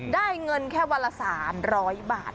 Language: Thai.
ได้เงินแค่วันละ๓๐๐บาท